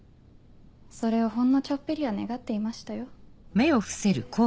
それをほんのちょっぴりは願っていましたよ。